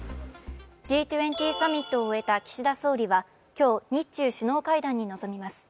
Ｇ２０サミットを終えた岸田総理は今日、日中首脳会談に臨みます。